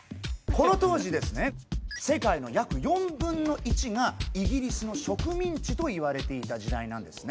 この当時世界の約４分の１がイギリスの植民地といわれていた時代なんですね。